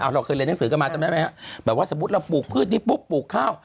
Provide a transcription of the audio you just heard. เราเคยเรียนหนังสือกันมาจำได้ไหมฮะแบบว่าสมมุติเราปลูกพืชนี้ปุ๊บปลูกข้าว